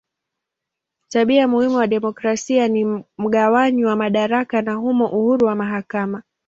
Tabia muhimu ya demokrasia ni mgawanyo wa madaraka na humo uhuru wa mahakama.